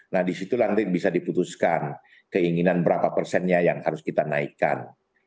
nah disitu nanti bisa diputuskan keinginan berapa persennya yang harus kita naikkan